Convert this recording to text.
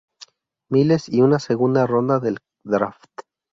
Miles y una segunda ronda del draft.